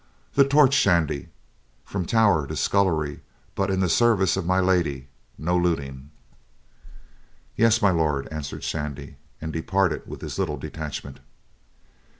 The torch, Shandy, from tower to scullery, but in the service of My Lady, no looting." "Yes, My Lord," answered Shandy, and departed with his little detachment.